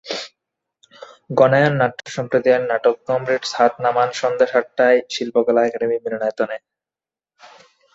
গণায়ন নাট্য সম্প্রদায়ের নাটক কমরেডস হাত নামান, সন্ধ্যা সাতটায়, শিল্পকলা একাডেমী মিলনায়তনে।